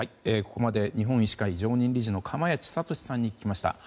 ここまで日本医師会常任理事の釜萢敏さんに聞きました。